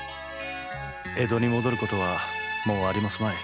江戸に戻ることはもうありますまい